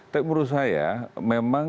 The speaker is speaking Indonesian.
tapi menurut saya